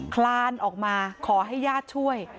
คลานออกมาขอให้ญาติช่วย